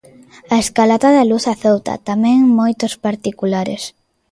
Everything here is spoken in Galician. A escalada da luz azouta tamén moitos particulares.